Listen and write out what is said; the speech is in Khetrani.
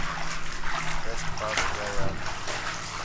ٹیسٹ پاس کیا یا